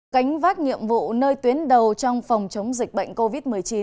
cánh vác nhiệm vụ nơi tuyến đầu trong phòng chống dịch bệnh covid một mươi chín